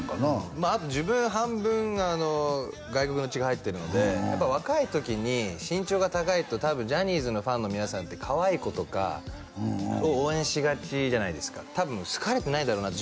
まああと自分半分外国の血が入ってるのでやっぱ若い時に身長が高いと多分ジャニーズのファンの皆さんってかわいい子とかを応援しがちじゃないですか多分好かれてないだろうなって